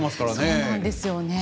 そうなんですよね。